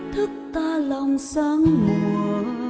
thức ta lòng sáng mùa